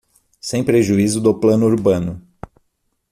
Sem prejuízo do plano urbano